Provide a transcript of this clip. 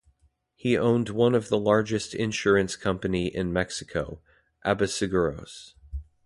He owned one of the largest Insurance Company in Mexico: Aba Seguros.